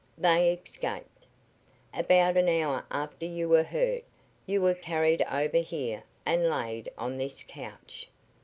They escaped. About an hour after you were hurt you were carried over here and laid on this couch.